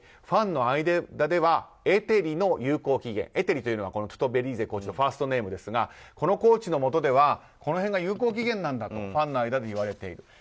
ファンの間ではエテリの有効期限エテリはトゥトベリーゼコーチのファーストネームですがこのコーチのもとではこの辺が有効期限なんだとファンの間では言われている。